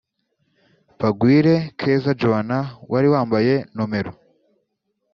Bagwire Keza Joana (wari wambaye nomero